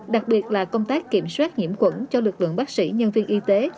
đặc biệt là công tác kiểm soát nhiễm quẩn cho lực lượng bác sĩ nhân viên y tế